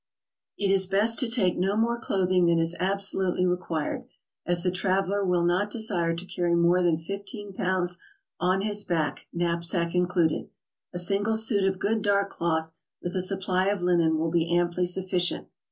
HOW TO TRAVEL ABROAD. 8i It is best to take no more clothing than is absolutely re quired, as the traveler will not desire to carry more than fifteen pounds on his back, knapsack included. A single suit of good dark cloth, with a supply of linen, will be amply sufficient.